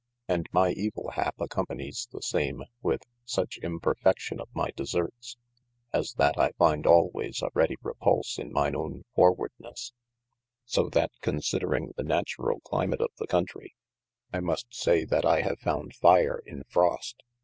And my evill happe accompanies the same with suche imperfe&ion of my deserts,' as that I finde alwayes a ready repulse in mine owne forward SLt countlie nesse : So that considering the naturall clymate of the countrie, llkei^ood) fl muste say tnat I have found fire in frost.